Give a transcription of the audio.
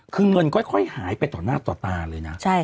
คือเงินค่อยหายไปต่อหน้าต่อตาเลยนะ